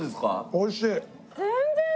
おいしい。